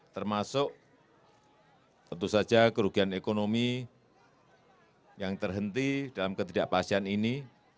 termasuk tentu saja kerugian ekonomi yang terhenti dalam ketidakpastian ini